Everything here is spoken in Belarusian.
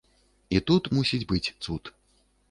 І тут мусіць быць цуд.